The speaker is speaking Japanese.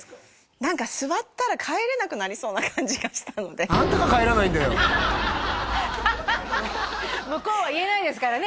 なんか座ったら帰れなくなりそうな感じがしたので向こうは言えないですからね